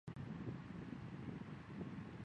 甘肃骨牌蕨为水龙骨科骨牌蕨属下的一个种。